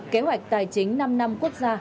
kế hoạch tài chính năm năm quốc gia